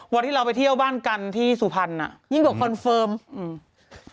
วันที่เราไปเที่ยวบ้านกันที่สุพรรณอ่ะยิ่งกว่าคอนเฟิร์มอืม